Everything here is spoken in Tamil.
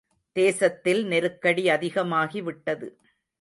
தேசத்தில் நெருக்கடி அதிகமாகிவிட்டது.